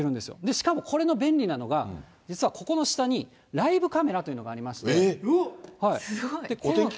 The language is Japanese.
しかもこれの便利なのが、実はここの下にライブカメラというのがありましすごい。